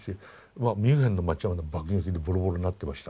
まあミュンヘンの町は爆撃でボロボロになってました。